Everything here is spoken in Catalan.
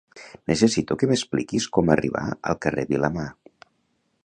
Necessito que m'expliquis com arribar al carrer Vilamar.